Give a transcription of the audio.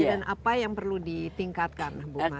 dan apa yang perlu ditingkatkan